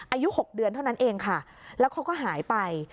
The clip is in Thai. อายุ๖เดือนเท่านั้นเองค่ะแล้วเขาก็หายไป